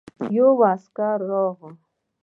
يو عسکر راغی.